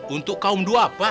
untuk kaum dua pak